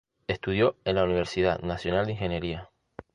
Estudió en la Universidad Nacional de Ingeniería.